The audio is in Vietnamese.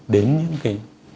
đến những cái